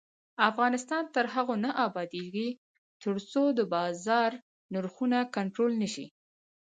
افغانستان تر هغو نه ابادیږي، ترڅو د بازار نرخونه کنټرول نشي.